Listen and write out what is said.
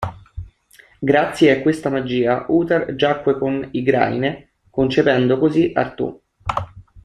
Grazie a questa magia Uther giacque con Igraine, concependo così Artù.